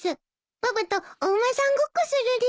パパとお馬さんごっこするです。